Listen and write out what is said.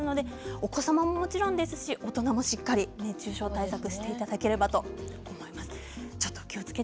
お子さんも大人も、しっかりと熱中症対策をしていただければと思います。